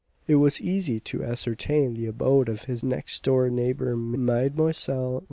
It was easy to ascertain the abode of his next door neighbour Mlle.